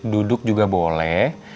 duduk juga boleh